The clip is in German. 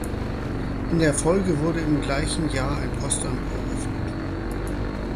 In der Folge wurde im gleichen Jahr ein Postamt eröffnet.